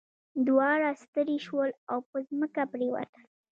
دواړه ستړي شول او په ځمکه پریوتل.